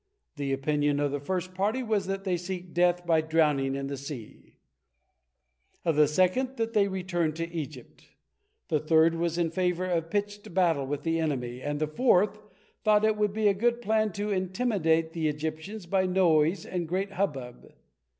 The opinion of the first party was that they seek death by drowning in the sea; of the second, that they return to Egypt; the third was in favor of a pitched battle with the enemy, and the fourth thought it would be a good plan to intimidate the Egyptians by noise and a great hubbub.